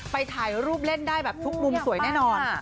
ถ่ายรูปเล่นได้แบบทุกมุมสวยแน่นอน